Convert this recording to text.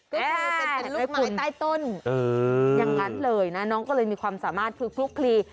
คือเป็นลูกหมายตายต้นอย่างนั้นเลยนะน้องก็เลยมีความสามารถคลุกคลี